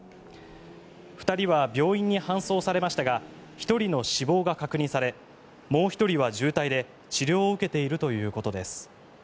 ２人は病院に搬送されましたが１人の死亡が確認されもう１人は重体で、治療を受けているということです。